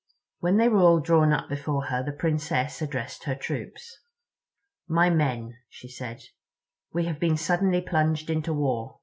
When they were all drawn up before her, the Princess addressed her troops. "My men," she said, "we have been suddenly plunged into war.